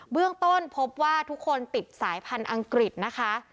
เรื่องต้นพบว่าทุกคนติดสายพันธุ์อังกฤษนะคะ